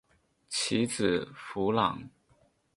其子苻朗。